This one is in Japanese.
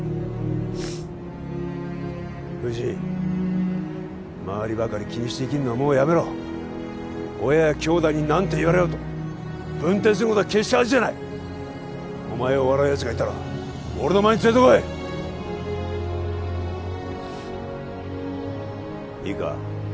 藤井周りばかり気にして生きるのはもうやめろ親や兄弟に何て言われようと文転することは決して恥じゃないお前を笑うやつがいたら俺の前に連れてこいいいか？